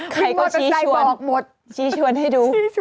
ใครก็ชี้ชวนชี้ชวนให้ดู